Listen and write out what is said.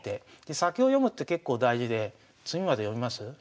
先を読むって結構大事で詰みまで読みます？